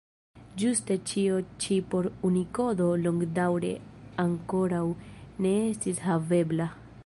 Ĝuste ĉio ĉi por Unikodo longdaŭre ankoraŭ ne estis havebla.